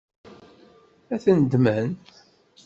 Ad ten-ddmen?